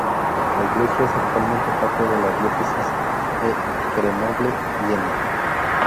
La iglesia es actualmente parte de la diócesis de Grenoble-Vienne.